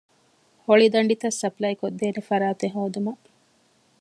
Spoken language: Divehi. ހޮޅިދަނޑިތައް ސަޕްލައިކޮށްދޭނެ ފަރާތެއް ހޯދުމަށް